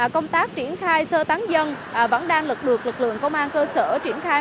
công tác triển khai sơ tán dân vẫn đang được lực lượng công an cơ sở triển khai